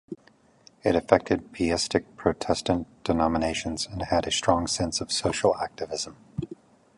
It affected pietistic Protestant denominations and had a strong sense of social activism.